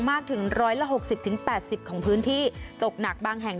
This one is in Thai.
มากถึงร้อยละหกสิบถึงแปดสิบของพื้นที่ตกหนักบางแห่ง